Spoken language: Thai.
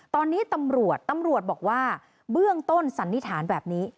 ตอนนี้ตำรวจตำรวจบอกว่าเบื้องต้นสันนิษฐานแบบนี้